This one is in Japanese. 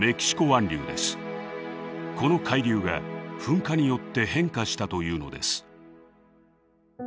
この海流が噴火によって変化したというのです。